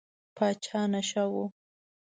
پاچا نشه و.